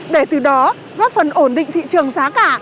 để từ đó góp phần ổn định thị trường giá cả